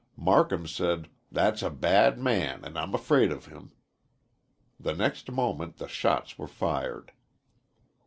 Marcum said "that's a bad man, and I'm afraid of him." The next moment the shots were fired.